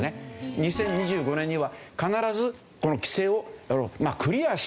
２０２５年には必ずこの規制をクリアしなければいけない。